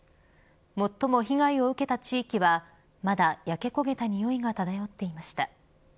最も被害を受けた地域はまだ焼け焦げた臭いが漂っていました。